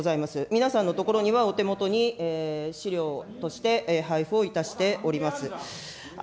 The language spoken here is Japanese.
皆さんの所には、お手元に資料として配付をいたしております。